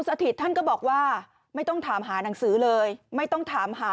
สถิตท่านก็บอกว่าไม่ต้องถามหาหนังสือเลยไม่ต้องถามหา